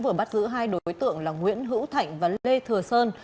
vừa bắt giữ hai đối tượng là nguyễn hữu thạnh và lê thừa sơn